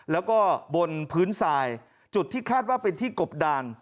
แล้วก็บนพื้นทรายจุดที่คาดว่าเป็นที่กบดาน